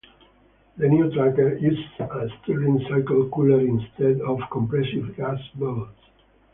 The new tracker used a Stirling-cycle cooler instead of compressed gas bottles.